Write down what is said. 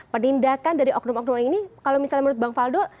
penindakan dari oknum oknum ini kalau misalnya menurut bang faldo